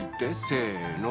せの。